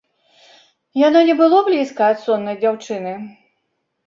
Яно не было блізка ад соннай дзяўчыны.